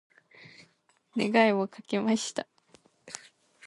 願いをかけました。